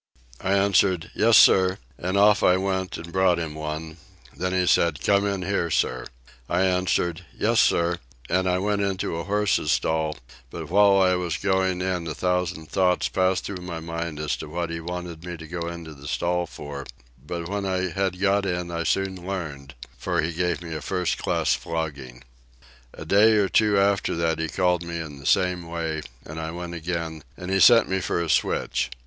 I answered, "yes, sir," and off I went and brought him one; then he said, "come in here, sir;" I answered, "yes, sir;" and I went into a horse's stall, but while I was going in a thousand thoughts passed through my mind as to what he wanted me to go into the stall for, but when I had got in I soon learned, for he gave me a first class flogging. A day or to after that he called me in the same way, and I went again, and he sent me for a switch.